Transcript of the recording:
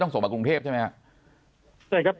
ต้องส่งมากรุงเทพใช่ไหมนะ